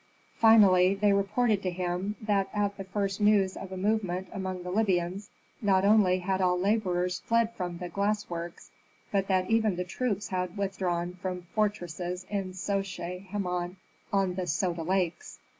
Finally they reported to him, that at the first news of a movement among the Libyans, not only had all laborers fled from the glass works, but that even the troops had withdrawn from fortresses in Sochet Heman on the Soda Lakes.